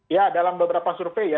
ya dalam beberapa survei ya